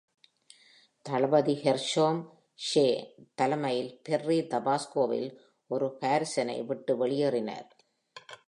தளபதி Gershom J தலைமையில் Perry தபாஸ்கோவில் ஒரு காரிஸனை விட்டு வெளியேறினார்.